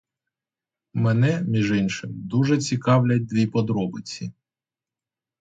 Мене, між іншим, дуже цікавлять дві подробиці.